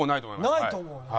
ないと思うな。